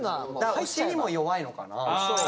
押しにも弱いのかな。